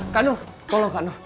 kak nur tolong kak nur